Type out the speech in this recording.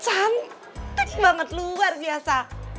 cantik banget luar biasa